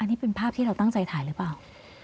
นี่เป็นภาพที่เราตั้งใจถ่ายหรือเปล่า